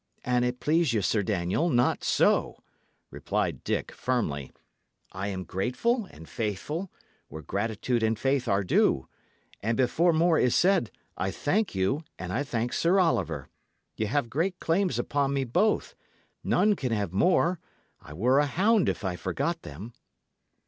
"An't please you, Sir Daniel, not so," returned Dick, firmly. "I am grateful and faithful, where gratitude and faith are due. And before more is said, I thank you, and I thank Sir Oliver; y' have great claims upon me both none can have more; I were a hound if I forgot them."